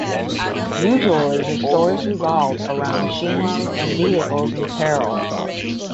Usually his stories revolved around machines and vehicles in peril.